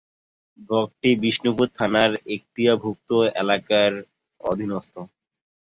ব্লকটি বিষ্ণুপুর থানার এক্তিয়ারভুক্ত এলাকার অধীনস্থ।